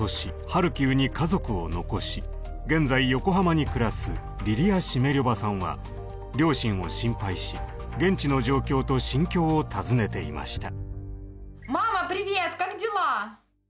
ハルキウに家族を残し現在横浜に暮らすリリア・シメリョヴァさんは両親を心配し現地の状況と心境を尋ねていました。